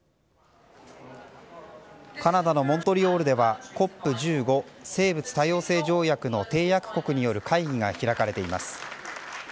カナダのモントリオールではＣＯＰ１５生物多様性条約の締約国による会議が開かれています。